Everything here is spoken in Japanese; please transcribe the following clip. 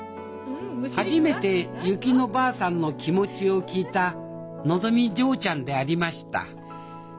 初めて薫乃ばあさんの気持ちを聞いたのぞみ嬢ちゃんでありました。